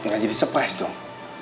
gak jadi surprise dong